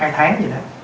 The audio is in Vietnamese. một hai tháng vậy đó